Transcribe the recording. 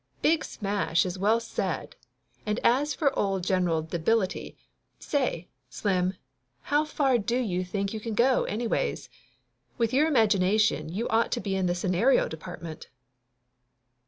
"Big smash is well said ! And as for old General Debility say, Slim, how far do you think you can go, anyways? With your imagination you ought to be in the scenario department."